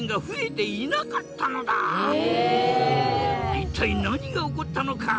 一体何が起こったのか！？